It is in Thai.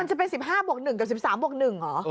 มันจะเป็น๑๕บวก๑กับ๑๓บวก๑เหรอ